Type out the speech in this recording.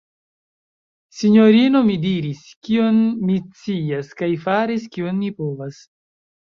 sinjorino, mi diris, kion mi scias, kaj faris, kion mi povas!